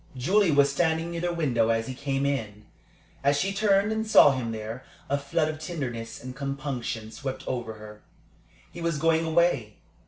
Julie was standing near the window as he came in. As she turned and saw him there, a flood of tenderness and compunction swept over her. He was going away.